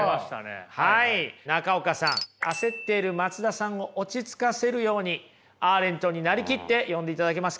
中岡さん焦っている松田さんを落ち着かせるようにアーレントに成りきって読んでいただけますか。